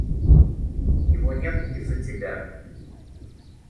Его нет из-за тебя.